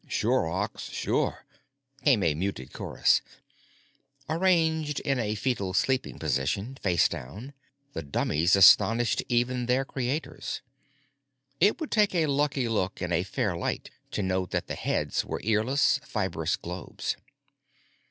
"Sure, Ox. Sure," came a muted chorus. Arranged in a fetal sleeping position, face down, the dummies astonished even their creators. It would take a lucky look in a fair light to note that the heads were earless, fibrous globes.